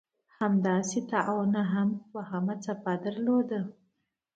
همداسې طاعون هم دوهمه څپه درلوده.